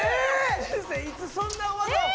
先生いつそんな技を？